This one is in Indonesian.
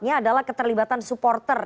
yang pertama adalah keterlibatan supporter